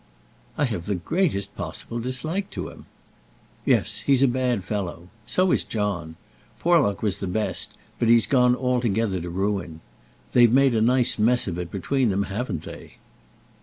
"I have the greatest possible dislike to him." "Yes; he's a bad fellow. So is John. Porlock was the best, but he's gone altogether to ruin. They've made a nice mess of it between them; haven't they?"